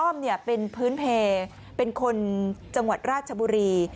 อ้อมเป็นพื้นเพลเป็นคนจังหวัดราชบุรี